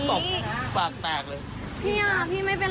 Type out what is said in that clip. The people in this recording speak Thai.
เขามีการว่าจะเป็นผลแปลง